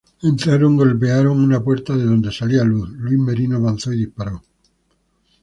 Entraron, golpearon una puerta de donde salía luz, Luis Merino avanzó y disparó.